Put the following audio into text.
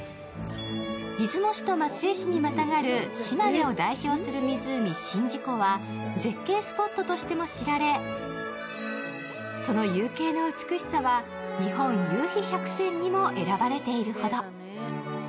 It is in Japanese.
出雲市と松江市にまたがる島根を代表する湖、宍道湖は絶景スポットとしても知られその夕景の美しさは日本夕陽百選にも選ばれているほど。